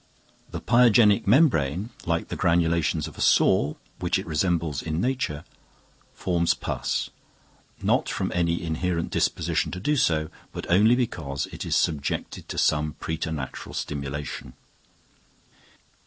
The pyogenic membrane, like the granulations of a sore, which it resembles in nature, forms pus, not from any inherent disposition to do so, but only because it is subjected to some preternatural stimulation.